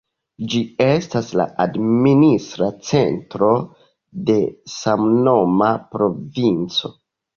Ĝi estas la administra centro de samnoma provinco.